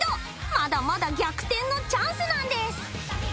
まだまだ逆転のチャンスナンデス。